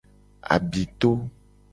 Abito.